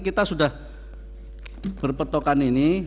kita sudah berpetokan ini